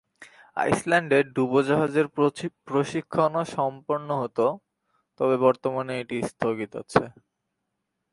আইসল্যান্ডে ডুবোজাহাজের প্রশিক্ষণও সম্পন্ন হতো, তবে বর্তমানে এটি স্থগিত আছে।